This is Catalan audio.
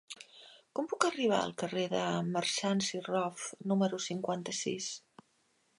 Com puc arribar al carrer de Marsans i Rof número cinquanta-sis?